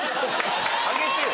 あげてよ。